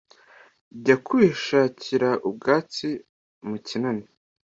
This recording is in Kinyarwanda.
ijya kwishakira ubwatsi mu kinani